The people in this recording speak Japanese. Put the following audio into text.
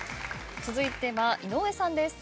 続いては井上さんです。